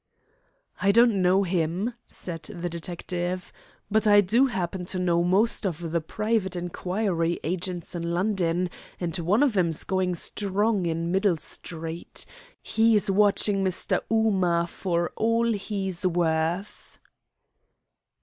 "I don't know him," said the detective. "But I do happen to know most of the private inquiry agents in London, and one of 'em is going strong in Middle Street. He's watching Mr. Ooma for all he's worth."